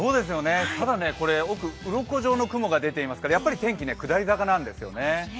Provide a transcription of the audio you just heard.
ただ、うろこ状の雲が出ていますからやっぱり天気下り坂なんですよね。